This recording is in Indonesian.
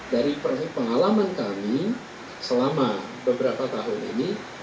dari pengalaman kami selama beberapa tahun ini